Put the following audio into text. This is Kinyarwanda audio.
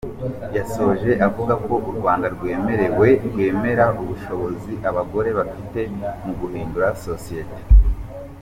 Yashoje avuga ko u Rwanda rwemera ubushobozi abagore bafite mu guhindura sosiyete.